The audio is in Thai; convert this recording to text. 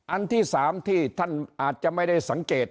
อันที่๓ที่ท่านอาจจะไม่ได้สังเกต